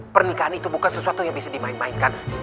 pernikahan itu bukan sesuatu yang bisa dimainkan